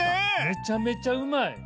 めちゃめちゃうまい。